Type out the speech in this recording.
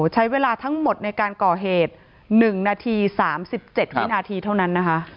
ใช้เวลาทั้งหมดในการก่อเหตุ๑นาที๓๗วินาทีเท่านั้นนะคะ